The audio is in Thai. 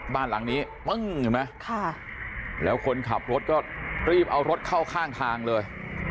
บ้านหลังนี้ปึ้งเห็นไหมแล้วคนขับรถก็รีบเอารถเข้าข้างทางเลย